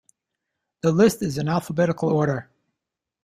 The list is in alphabetical order.